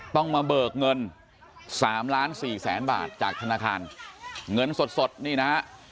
ต้องมาเบิกเงิน๓๔๐๐๐๐๐บาทจากธนคารเงินสดนี่นะ